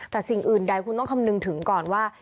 แต่สิ่งอื่นใดคุณต้องคำนึงถึงก่อนว่า